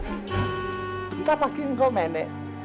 kita pake ngomeneh